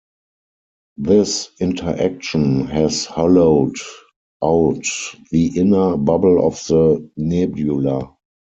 This interaction has hollowed out the inner bubble of the nebula.